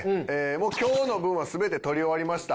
もう今日の分は全て撮り終わりました。